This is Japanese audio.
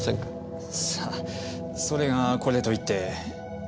さあそれがこれといって。